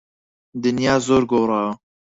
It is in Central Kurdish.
دنیا زۆر گۆڕاوە.